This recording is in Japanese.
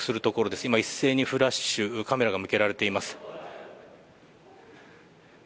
今、一斉にフラッシュ、カメラが向けられています。